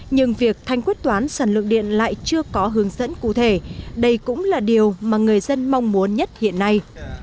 nhưng việc thanh quyết toán sản lượng điện lại chưa có hướng dẫn cụ thể đây cũng là điều mà người dân mong muốn nhất hiện nay